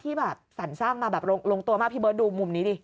ที่แบบสรรสร้างมาแบบลงตัวมากพี่เบิร์ตดูมุมนี้ดิ